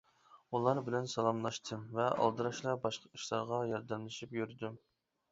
ئۇلار بىلەن سالاملاشتىم ۋە ئالدىراشلا باشقا ئىشلارغا ياردەملىشىپ يۈردۈم.